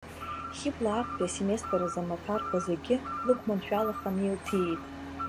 Хьыбла актәи асеместр азы амаҭәарқәа зегьы лықәманшәалаханы илҭиит.